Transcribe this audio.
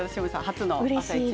初の「あさイチ」